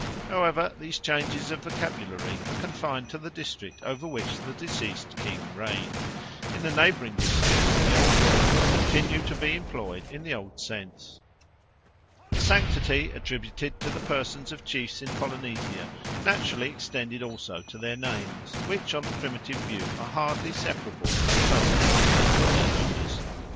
However, these changes of vocabulary are confined to the district over which the deceased king reigned; in the neighbouring districts the old words continue to be employed in the old sense. The sanctity attributed to the persons of chiefs in Polynesia naturally extended also to their names, which on the primitive view are hardly separable from the personality of their owners.